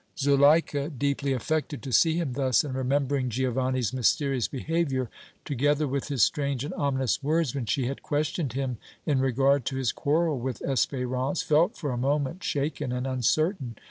Zuleika, deeply affected to see him thus, and remembering Giovanni's mysterious behavior, together with his strange and ominous words, when she had questioned him in regard to his quarrel with Espérance, felt for a moment shaken and uncertain.